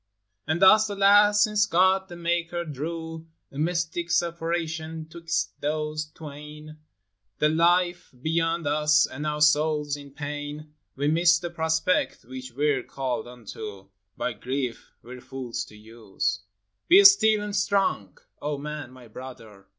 And thus, alas ! since God the maker drew A mystic separation 'twixt those twain, — The life beyond us, and our souls in pain,— We miss the prospect which we 're called unto, By grief we 're fools to use. Be still and strong, O man, my brother!